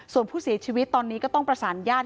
ส่วนผู้เสียชีวิตตอนนี้ก็ต้องประสานญาติ